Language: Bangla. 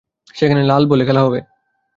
সেখানে লাল বলে খেলা হবে।